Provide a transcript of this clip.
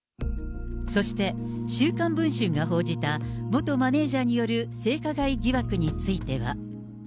そして週刊文春が報じた元マネージャーによる性加害疑惑については。